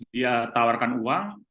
dia tawarkan uang